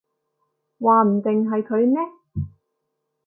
話唔定係佢呢